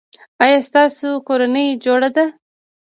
ایا ستاسو کورنۍ جوړه ده؟